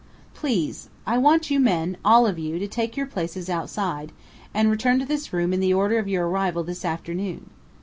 "Please I want you men all of you, to take your places outside, and return to this room in the order of your arrival this afternoon.